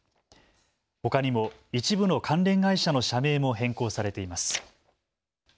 ほかにも一部の関連会社の社名も変更されています。